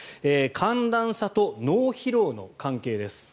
寒暖差と脳疲労の関係です。